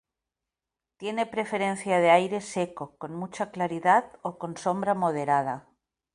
Tiene preferencia de aire seco, con mucha claridad o con sombra moderada.